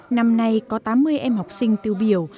năm nay có tám mươi em học sinh tiêu biểu